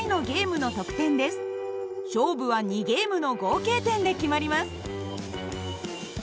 勝負は２ゲームの合計点で決まります。